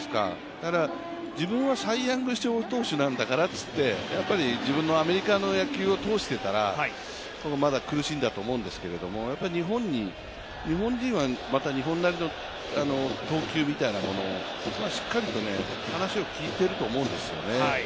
だから、自分はサイ・ヤング賞投手なんだからといって自分のアメリカの野球を通してたら苦しんだと思うんですけど、日本人は日本なりの投球みたいなことはしっかりと話を聞いていると思うんですよね。